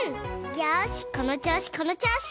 よしこのちょうしこのちょうし！